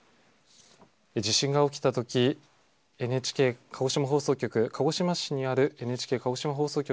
地震が起きたとき、ＮＨＫ鹿児島放送局、鹿児島市にあるＮＨＫ鹿児島放送局